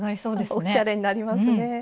おしゃれになりますね。